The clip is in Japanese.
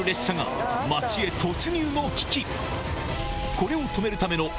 これを止めるためのケインの